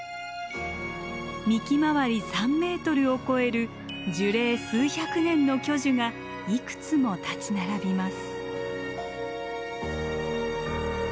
幹回り３ｍを超える樹齢数百年の巨樹がいくつも立ち並びます。